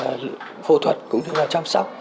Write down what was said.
và phẫu thuật cũng rất là chăm sóc